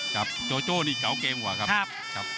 โจโจ้นี่เก๋าเกมกว่าครับ